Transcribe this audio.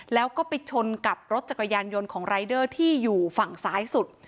แล้วก็ไปชนกับรถจักรยานยนต์ของรายเดอร์ที่อยู่ฝั่งซ้ายสุด